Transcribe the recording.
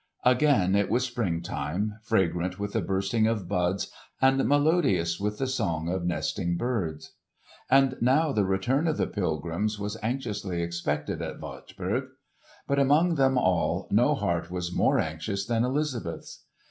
Again it was spring time, fragrant with the bursting of buds and melodious with the song of nesting birds. And now the return of the pilgrims was anxiously expected at Wartburg. But among them all, no heart was more anxious than Elizabeth's.